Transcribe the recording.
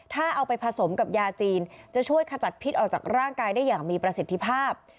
ถ้าเอาไปผสมกับยาจีนจะช่วยขจัดพิษออกจากร่างกายได้อย่างมีประสิทธิภาพ